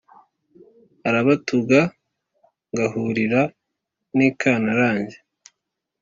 arabatuga ngahurira n'ikantarange